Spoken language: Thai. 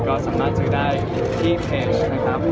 ก็สามารถซื้อได้ที่เพจนะครับ